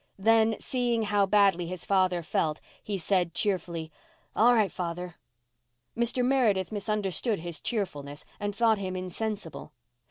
Then, seeing how badly his father felt, he said cheerfully, "All right, father." Mr. Meredith misunderstood his cheerfulness and thought him insensible.